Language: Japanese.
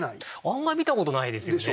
あんまり見たことないですよね。